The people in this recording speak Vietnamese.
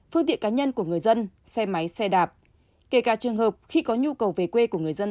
phương tiện cá nhân của người dân xe máy xe đạp kể cả trường hợp khi có nhu cầu về quê của người dân